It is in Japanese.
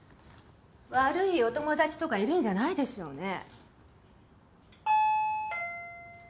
悪いお友達とかいるんじゃないでしょうね。